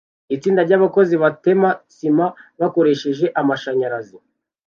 Itsinda ryabakozi batema sima bakoresheje amashanyarazi